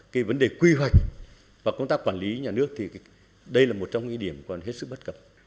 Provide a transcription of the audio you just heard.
cái vấn đề quy hoạch và công tác quản lý nhà nước thì đây là một trong những điểm còn hết sức bất cập